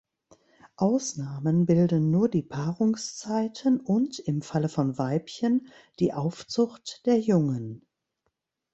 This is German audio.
Ausnahmen bilden nur die Paarungszeiten und, im Falle von Weibchen, die Aufzucht der Jungen.